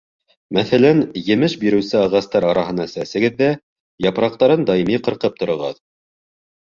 Мәҫәлән, емеш биреүсе ағастар араһына сәсегеҙ ҙә япраҡтарын даими ҡырҡып тороғоҙ.